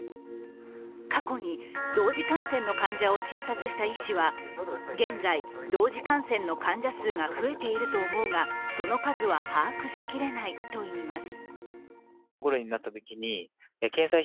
過去に同時感染の患者を診察した医師は現在、同時感染の患者数が増えていると思うが、その数は把握しきれないといいます。